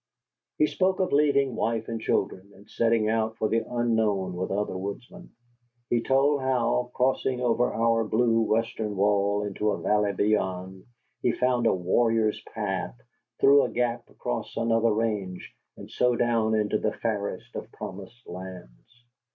He spoke of leaving wife and children, and setting out for the Unknown with other woodsmen. He told how, crossing over our blue western wall into a valley beyond, they found a "Warrior's Path" through a gap across another range, and so down into the fairest of promised lands.